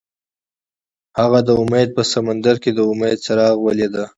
هغه د امید په سمندر کې د امید څراغ ولید.